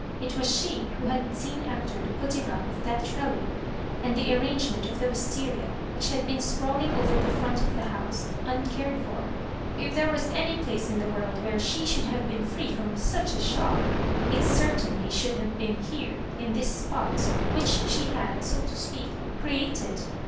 It was she who had seea afler the putting up of that trellis, and the arrangement of the Wisteria^ which had been sprawling over the Aront of the bouse, uncared for. If there was any place in the world where fibe should have been free from such a shock, it certainly should have been here, in this spot, which she had, so to speak, created.